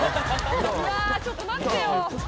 うわちょっと待ってよ。